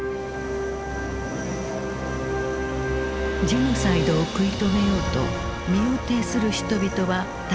ジェノサイドを食い止めようと身をていする人々は確かにいた。